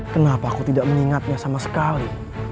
kenapa aku tidak mengingatnya sama sekali